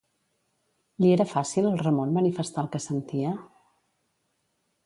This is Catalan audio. Li era fàcil al Ramon manifestar el que sentia?